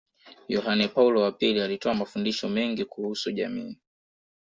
Yohane Paulo wa pili alitoa mafundisho mengi kuhusu jamii